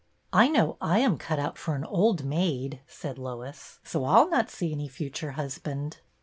" I know I am cut out for an old maid," said Lois, "so I'll not see any future hus band."